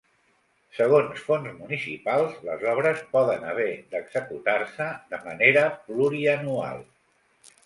Segons fonts municipals, les obres poden haver d’executar-se de manera plurianual.